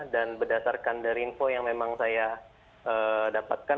dan berdasarkan dari info yang memang saya dapatkan